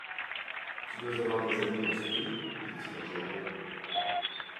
Tu dois avoir des amis dans ce pays ? dit-il à Jahoua.